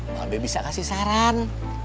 mbak be bisa kasih saran